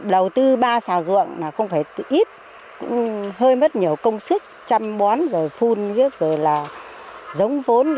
đầu tư ba xào ruộng không phải ít hơi mất nhiều công sức chăm bón phun giống vốn